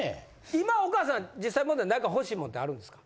今お母さん実際問題何か欲しい物ってあるんですか？